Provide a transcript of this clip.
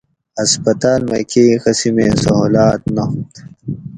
ہسپتال مئی کئی قسمیں سہولات نات